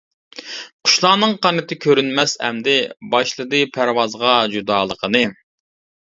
قۇشلارنىڭ قانىتى كۆرۈنمەس ئەمدى، باشلىدى پەرۋازغا جۇدالىقىنى.